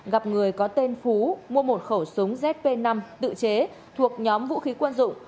gặp người có tên phú mua một khẩu súng zp năm tự chế thuộc nhóm vũ khí quân dụng